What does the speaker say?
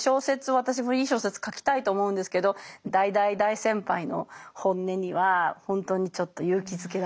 私もいい小説書きたいと思うんですけど大大大先輩の本音には本当にちょっと勇気づけられます。